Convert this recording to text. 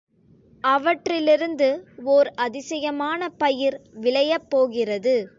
அவற்றிலிருந்து ஓர் அதிசயமான பயிர் விளையப் போகிறது.